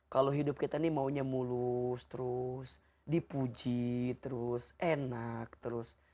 kalau hidup kita ini maunya mulus terus dipuji terus enak terus